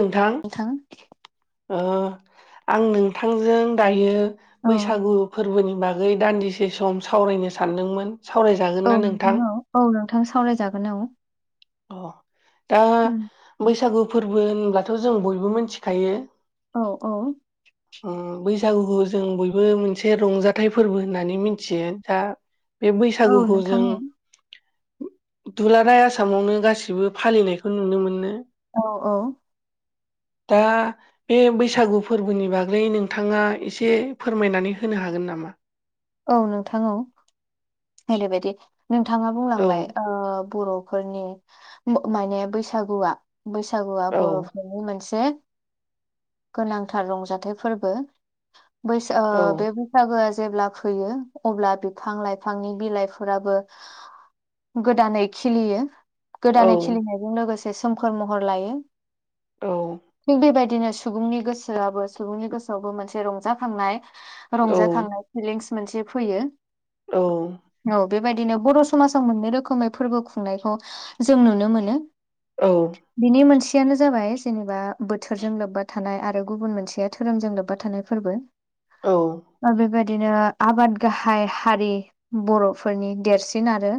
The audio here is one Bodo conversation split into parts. नोंथां ओ आं नोंथांजों दायो औ बैसागु फोरबोनि बागै दान्दिसे सम सावरायनो सानदोंमोन। औ सावरायजागोन ना नोंथां? औ औ नोंथां सावरायजागोन औ। अ दा उम बैसागु फोरबो होनब्लाथ' जों बयबो मिथिखायो। औ औ उम बैसागुखौ जों बयबो मोनसे रंजाथाइ फोरबो होननानै मिथियो दा बे औ बैसागुखौ नोंथां जों औ दुलाराय आसामावनो गासिबो फालिनायखौ नुनो मोनो। औ औ [inaudible] दा बे बैसागु फोरबोनि बागै नोंथाङा एसे फोरमायनानै होनो हागोन नामा? [inaudible] औ नोंथां औ ओरैबायदि नोंथाङा बुंलांबाय औ ओ बर' फोरनि माने बैसागुआ, बैसागुआ औ बर'फोरनि मोनसे गोनांथार रंजाथाइ फोर्बो। बैस औ बे बैसागोआ जेब्ला फैयो अब्ला बिफां लाइफांनि बिलाइफोराबो गोदानै खिलियो। गोदानै औ खिलिनायजों लोगोसे सोमखोर महर लायो। औ। बिदिनो सुबुंनि गोसोआबो सुबुंनि गोसोआवबो मोनसे रंजाखांनाय रंजाखांनाय फिलिंस मोनसे फैयो। औ। औ बेबायदिनो बर' समाजाव मोननै रोखोमै फोर्बो खुंनायखौ जों नुनो मोनो। बिनि मोनसेयानो जाबाय, जेनेबा बोथोरजों लोब्बा थानाय आरो गुबुन मोनसेया धोरोमजों लोब्बा थानाय फोर्बो। बेबायदि दिनो आबाद गाहाय हारि बर'फोरनि देरसिन आरो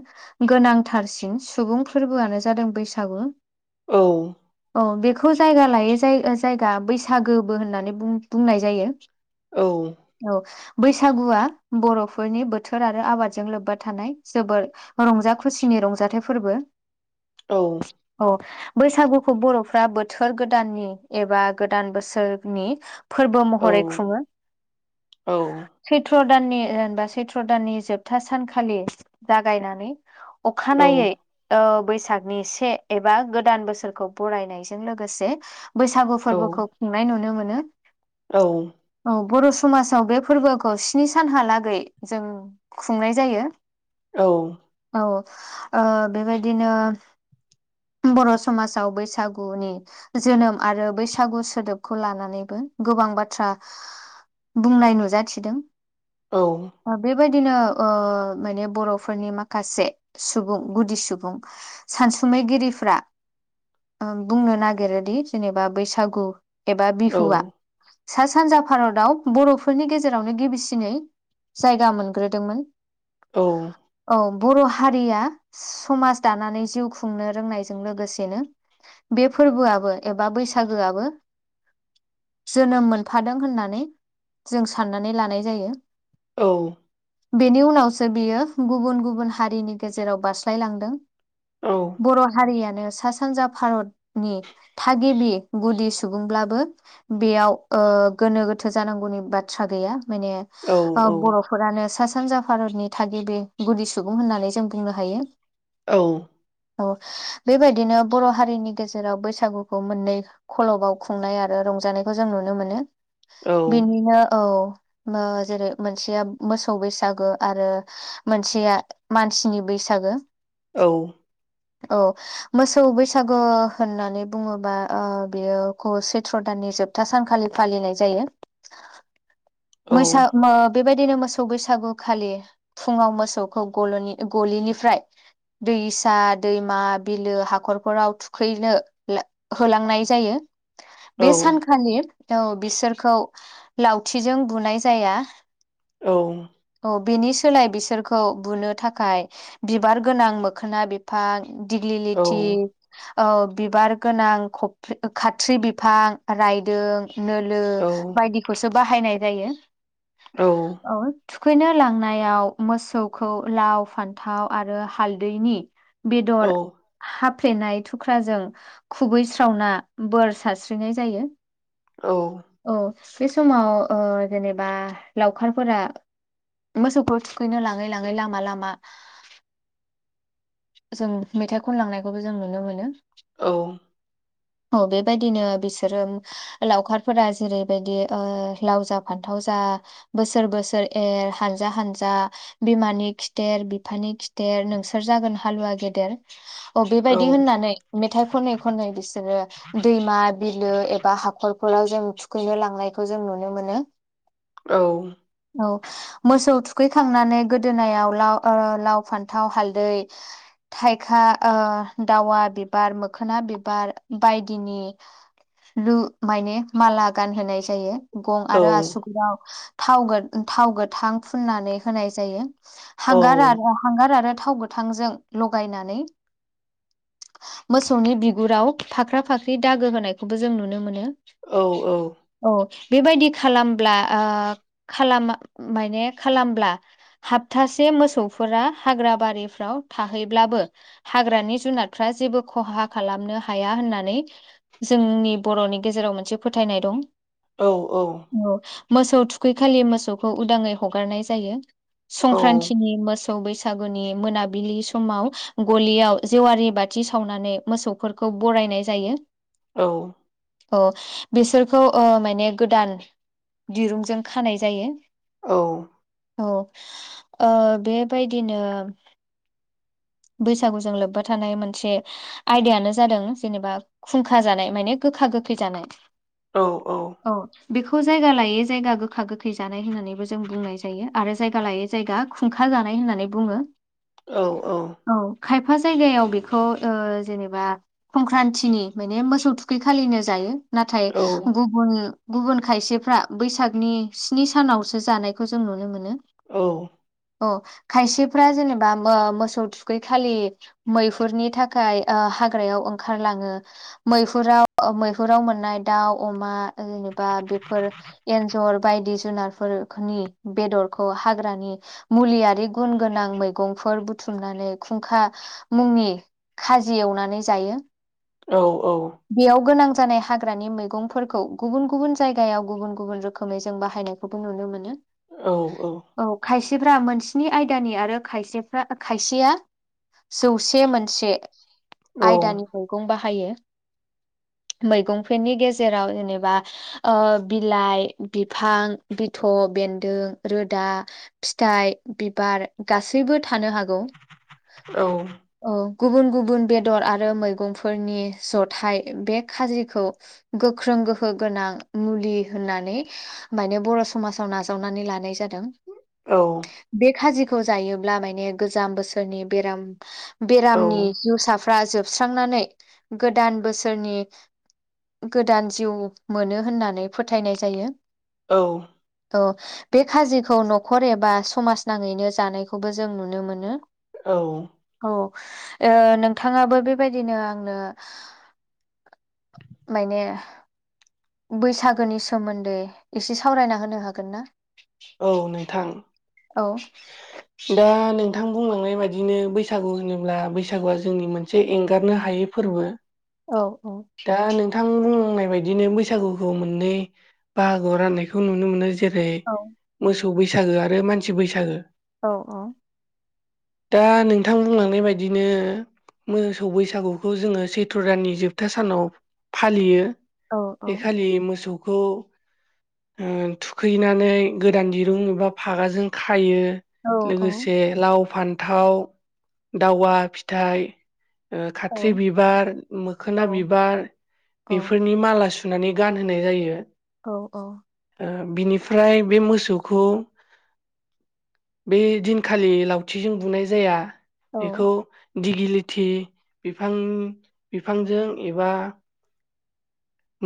गोनांथार सिन सुबुं फोर्बोआनो जादों बैसागु। औ। औ बेखौ जायगा लायै जाय जायगा बैसागोबो होननानै बुं बुंनाय जायो। औ औ। बैसागुआ बर'फोरनि बोथोर आरो आबादजों लोब्बा थानाय जोबद रंजा खुसिनि रंजाथाइ फोर्बो। औ। बैसागुखौ बर'फ्रा बोथोर गोदाननि एबा गोदान बोसोरनि फोर्बो महरै खुङो। सैथ्र दाननि जेनबा सैत्र' दाननि जोबथा सानखालि जागायनानै अखानायै ओ बैसागनि से एबा गोदान बोसोरखौ बरायनायजों लोगोसे बैसागु फोर्बो नाय नुनो मोनो। औ। औ बर' समाजाव बे फोर्बोखौ स्नि सानहालागै जों खुंनाय जायो। औ। औ ओ बेबायदिनो बर' समाजाव बैसागुनि जोनोम आरो बैसा सागु सोदोबखौ लानानैबो गोबां बाथ्रा बुंनाय नुजाथिदों। औ। बेबायदिनो ओ माने बर'नि माखासे सुबुं गुदि सुबुं सा सुमैगिरिफ्रा बुंनो नागिरोदि जेनेबा बैसागु एबा बिहुआ सा सानजा भारतआव बर'फोरनि गेजेरावनो गिबिसिनै जायगा मोनग्रोदोंमोन। औ। औ बर' हारिया समाज दानानै जिउ खुंनो रोंनायजों लोगोसेनो बे फोर्बोआबो एबा बैसागोआबो जोनोम मोनफादों होननानै जों साननानै लानाय जायो। औ। बेनि उनावसो बियो गुबुन गुबुन हारिनि गेजेराव बारस्लायलांदों। बर' हारियानो सा सानजा भारतनि थागिबि गुदि सुबुंब्लाबो, बेयाव ओ गोनो गोथो जानांगौनि बाथ्रा गैया। माने ओ बर'फोरानो सा सानजा भारतनि थागिबि गुदि सुबुं होननानै जों बुंनो हायो औ औ बेबायदिनो बर' हारिनि गेजेराव बैसागुखौ मोननै खलबाव खुंनाय आरो रंजानायखौ जों नुनो मोनो बिनिनो औ मो जेरै मोनसेया मोसौ बैसागु आरो मोनसेया मानसिनि बै सागो औ औ मोसौ बैसागु होननानै बुङोबा ओ बेयो खौ सैत्र' दाननि जोबथा सानखालि फालिनाय जायो। मोसा बेबाय बिदिनो मोसौ बैसागु खालि फुङाव मोसौखौ गाल'नि गलिनिफ्राय दैसा दैमा बिलो हाखरफोराव थुखैनो होलांनाय जायो। बे सानखालि औ बिसोरखौ लावथिजों बुनाय जाया। औ औ बेनि सोलाय बिसोरखौ बुनो थाखाय बिबार गोनां मोखोना बिफां दिग्लि लिथि औ बिबार गोनां खब खा थ्रि बिफां रायदों नोलो बायदिखौसो बाहायनाय जायो। औ थुखैनो लांनायाव मोसौखौ लाव फान्थाव आरो हालदैनि बेदर हाफ्लेनाय थुख्राजों खुबैस्रावना बोर सारस्रिनाय जायो। औ औ बे समाव ओ जेनेबा लावखारफोरा मोसौफोर थुखैनो लाङै लाङै लामा लामा जों मेथाइ खनलांनायखौबो जों नुनो मोनो। औ बेबायदिनो बिसोरो ओ लावखारफोरा जेरैबायदि ओ लाव जा फान्थाव जा जा बोसोर बोसोर एर हानजा हानजा बिमानि खिथेर बिफानि खिथेर नोंसोर जागोन हालुवा गेदेर अ बेबायदि होननानै मेथाइ खनै खनै बिसोरो दैमा बिलो एबा हाखर फोराव जों थुखैनो लांनायखौ जों नुनो मोनो। औ औ मोसौ थुखैखांनानै गोदोनायाव लाव ओ लाव फान्थाव हालदै थाइखा ओ दावा बिबार मोखोना बिबार बायदिनि लु माने माला गानहोनाय जायो। गं आरो आसुगदाव थाव थाव गो गोथां फुननानै होनाय जायो। हांगार आरो हांगार आरो थाव गोथांजों लगायनानै मोसौनि बिगुराव फाख्रा फाख्रि दागो होनायखौबो जों नुनो मोनो। औ औ औ बेबायदि खालामब्ला ओ माने खालामब्ला हाप्थासे बमोसौफोरा हाग्रा बारिफ्राव थाहैब्लाबो हाग्रानि जुनारफ्रा जेबो खहा खालामनो हाया होननानै जोंनि बर'नि गेजेराव मोनसे फोथायनाय दं। औ औ औ मोसौ थुखैखालि मोसौखौ उदाङै हगारनाय जायो औ ।संक्रान्तिनि मो मोसौ बैसागुनि मोनाबिलि समाव गलियाव जेवारि बाथि सावनानै मोसौफोर खौ बरायनाय जायो। औ औ बिसोरखौ ओ माने गोदान दिरुंजों खानाय जायो। औ औ ओ बेबायदिनो बैसागुजों लोब्बा थानाय मोनसे आयदायानो जा जादों जेनेबा खुंखा जानाय माने गोखा गोखै जानाय औ औ बेखौ जायगा लायै जायगा गोखा गोखै जानाय होन्नानैबो जों बुंनाय जायो आरो जायगा लायै जायगा खुंखा जानाय होननानै बुङो। औ औ। खायफा जायगायाव बेखौ जेनेबा संक्रान्तिनि माने मोसौ थुखै खालिनो जायो नाथाय औ गुबुन गुबुन खायसेफ्रा बैसागनि स्नि सानावसो जानायखौ जों नुनो मोनो औ। औ खायसेफ्रा जेनेबा मो मोसौ थुखैखालि मैहुरनि थाखाय ओ हा ग्रायाव ओंखारलाङो मैहुराव मैहुराव मोननाय दाउ अमा जेनेबा बेफोर एन्जर बायदिसि जुनारफोरनि बेदरखौ हाग्रानि मुलियारि गुन गोनां मैगंफोर बुथुम बुथुमनानै खुंखा मुंनि खाजि एवनानै जायो औ औ बेयाव गोनां जानाय हाग्रानि मैगंफोरखौ गुबुन गुबुन जायगायाव गुबुन गुबुन रोखोमै जों बाहायनायखौबो नुनो मोनो औ औ जेफ्रा मोन्सिनि आयदानि आरो खायसेफ्रा खायसेया जौसे मोनसे आयदानि मैगं बाहायो [unintelligible] मैगंफोरनि गेजेराव जेनेबा बिलाइ बिफां बिथ' बेन्दों रोदा फिथाइ बिबार गासैबो थानो हागौ औ औ गुबुन गुबुन बे बेदर आरो मैगंफोरनि जथाइ बे खाजिखौ गोख्रों गोहोगोनां मुलि होननानै माने बर' समाजाव नाजावनानै लानाय जादों दों बे खाजिखौ जायोब्ला माने गोजाम बोसोरनि बेराम बेरामनि जिउसाफ्रा जोबस्रांनानै गोदान बोसोरनि गोदान जिउ मोनो होननानै फोथायनाय जायो औ औ बे खाजिखौ न'खरै एबा समाज नाङैनो जानायखौबो जों नुनो मोनो औ। औ ओ नों थाङाबो बेबायदिनो आंनो माने बैसागोनि सोमोन्दै एसे सावरायना होनो हागोन ना औ नोंथां औ दा नोंथां बुंलांनाय बायदिनो बैसागु होनोब्ला बैसागुआ जोंनि मोनसे एंगारनो हायै फोरबो औ औ दा नोंथां बुं बुंनाय बायदिनो बैसागुखौ मोननै बाहागोआव राननायखौ नुनो मोनो जेरै औ मोसौ मोसौ बैसागो आरो मानसि बैसागो औ औ दा नोंथां बुंलांनाय बायदिनो मोसौ बैसागुखौ जोङो सैथ्र' दाननि जोब जोबथा सानाव फालियो औ बे खालि मोसौ खौ थुखैनानै गोदान दिरुं एबा फागाजों खायो। औ लोगोसे लाव फान्थाव दावा फिथाइ खाथ्रि बिबार मोखोना बिबार औ बेफोरनि माल ख्ला सुनानै गानहोनाय जायो औ औ बिनिफ्राय बे मोसौखौ बे दिनखालि लावथिजों बुंनाय जाया। औ बेखौ दिगिलिथि बिफां फांजों एबा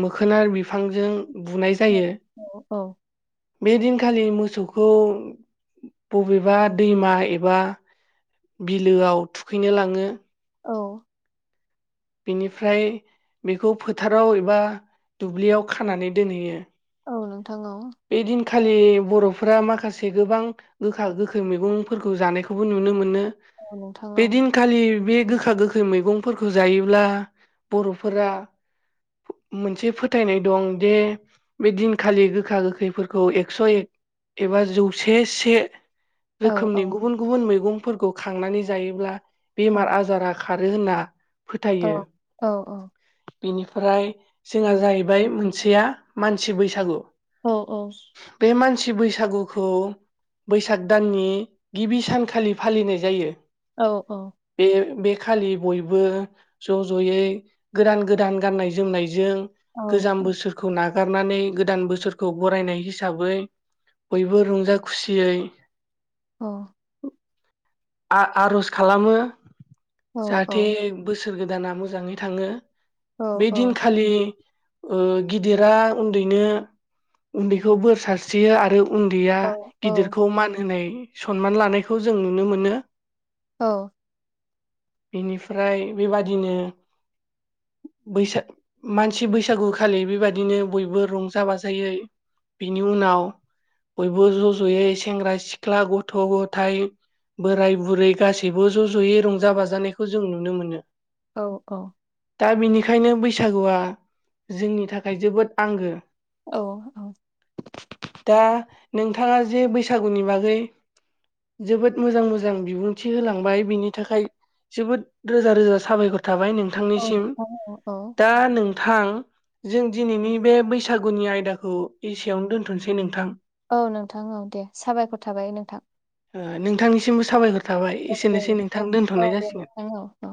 मोखोनार बिफांजों बुनाय औ जायो। औ बे दिनखालि मोसौखौ बबेबा दैमा एबा बिलोआव थुखैनो लाङो। औ। बिनिफ्राय बेखौ फोथाराव एबा दुब्लियाव खानानै दोनहैयो। औ नोंथां औ। खालि बर'फोरा माखासे गोबां गोखा गोखै मैगंफोरखौ जानायखौबो नुनो मोनो। औ नोंथां औ बेदिन खालि बे गोखा गोखै मैगंफोरखौ जायोब्ला बर'फोरा मोनसे फोथायनाय दं दे बे दिनखालि गोखा गो खैफोरखौ एक्स' एक एबा जौसे से औ औ रोखोमनि गुबुन गुबुन मैगंफोरखौ खांनानै जायोब्ला औ बेमार आजारा खारो होनना। औ फोथायो औ औ। बेनिफ्राय जोंहा जाहैबाय मोनसेया मानसि बैसागु। औ औ। बे मानसि बैसागुखौ बैसाग दाननि गिबि सानखालि फालिनाय जायो। औ औ। बे बे खालि बयबो ज' जयै गोदान गोदान गाननाय जोमनाय जों औ गोजाम बोसोरखौ नागारनानै गोदान बोसोरखौ बरायनाय हिसाबै बयबो रंजा खुसियै औ। आ-आर'ज खालामो औ नोंथां औ जाहाथे बोसोर गोदाना मोजाङै थाङो। बेदिन खालि ओ गिदिरा उन्दैनो उन्दैखौ बोर सारस्रियो आरो उन्दैया गिदिरखौ मान होनाय सनमान लानायखौ जों नुनो मोनो। औ। बेनिफ्राय बेबादिनो बैस मानसि बैसागु खालि बेबायाददिनो बयबो रंजा बाजायै बिनि उनाव बयबो ज' ज'यै सेंग्रा सिख्ला गथ' गथाइ बोराय बुरै गासैबो ज' ज'यै रंजा बाजानायखौ जों नुनो मोनो। औ औ। दा बेनिखायनो बैसागुआ जोंनि थाखाय जोबोद आंगो औ औ। दा नोंथाङा जे बैसागुनि बागै जोबोद मोजां मोजां बिबुंथि होलांबाय बिनि थाखाय जोबोद रोजा रोजा साबायखर थाबाय नोंथांनिसिम औ दा नों थां जों दिनैनि बे बैसागुनि आयदाखौ एसेयावनो दोनथ'सै नोंथां। औ नोंथां औ दे साबायखर थाबाय नोंथां। ओ नोंथांनिसिमबो साबायखर थाबाय औ औ एसेनोसै नोंथां औ दोनथ'नाय दे जासिगोन। नोंथां औ औ